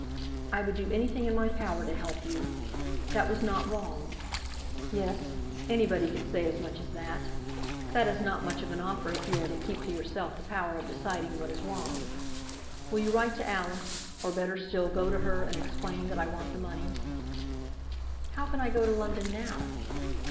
"I would do anything in my power to help you, that was not wrong!" "Yes; anybody could say as much as that. That is not much of an offer if you are to keep to yourself the power of deciding what is wrong. Will you write to Alice, or better still, go to her, and explain that I want the money." "How can I go to London now?"